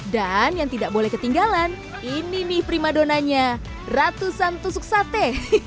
dan yang tidak boleh ketinggalan ini nih primadonanya ratusan tusuk sate